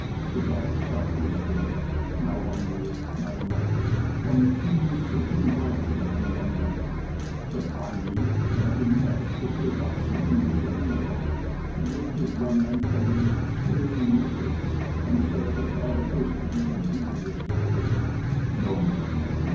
His eyes sought to escape, now oue way, now another, from the pleading, searching glances of the young man ; but finally, as in an effort to shake off something disagreeable, he looked his young antagonist squarely in the face, and said, while the perspiration beaded his forehead : ''No, young man